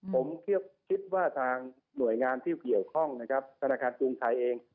ผมคิดว่าทางหน่วยงานที่เกี่ยวข้องนะครับธนาคารกรุงไทยเอง